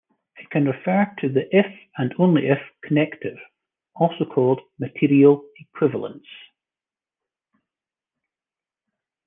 It can refer to the if and only if connective, also called material equivalence.